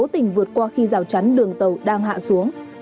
sáu tỉnh vượt qua khi rào chắn đường tàu đang hạ xuống